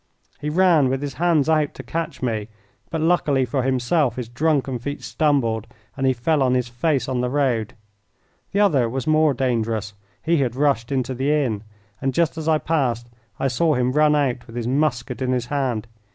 He ran with his hands out to catch me, but luckily for himself his drunken feet stumbled and he fell on his face on the road. The other was more dangerous. He had rushed into the inn, and just as I passed I saw him run out with his musket in his hand.